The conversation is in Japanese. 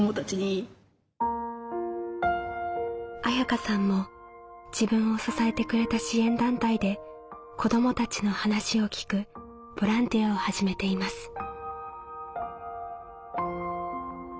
綾香さんも自分を支えてくれた支援団体で子どもたちの話を聞くボランティアを始めています。